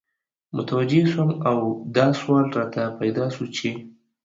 متوجه سوم او دا سوال راته پیدا سو چی